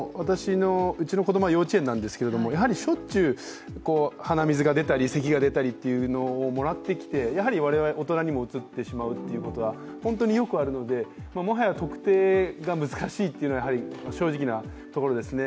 うちの子供は幼稚園なんですけどやはりしょっちゅう鼻水が出たりせきが出たりというのをもらってきて、やはり大人にもうつってしまうということは本当によくあるのでもはや特定が難しいというのは正直なところですね。